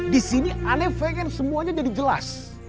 di sini kamu ingin semuanya jadi jelas